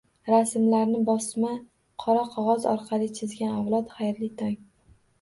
Rasmlarni bosma qora qog'oz orqali chizgan avlod, xayrli tong!